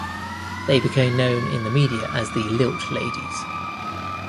They became known in the media as the "Lilt Ladies".